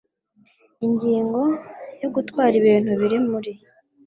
Ingingo ya Gutwara ibintu biri muri